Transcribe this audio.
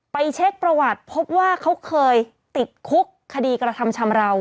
เช็คประวัติพบว่าเขาเคยติดคุกคดีกระทำชำราว